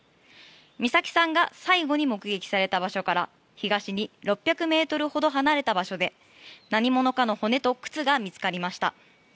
美咲さんが最後に目撃された場所から東に６００ｍほど離れた場所で何者かの骨と靴が見つかりました。